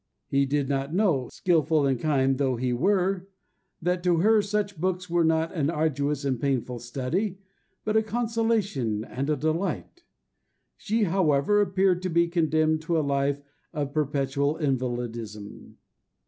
He did not know, skilful and kind though he were, that to her such books were not an arduous and painful study, but a consolation and a delight." She, however, appeared to be condemned to a life of perpetual invalidism.